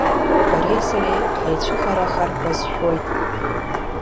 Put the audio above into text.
Бареи сареи ҳаицәыхарахар ҳәа сшәоит.